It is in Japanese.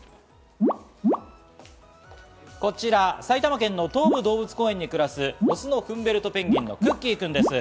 こちら埼玉県の東武動物公園に暮らすオスのフンボルトペンギンのクッキーくんです。